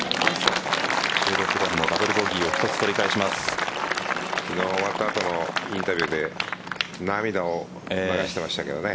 １６番のダブルボギーを昨日終わった後のインタビューで涙を流してましたからね。